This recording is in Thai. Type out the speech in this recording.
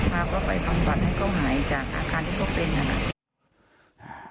มาก็ไปบำบัดให้เขาหายจากอาการที่เขาเป็นนะครับ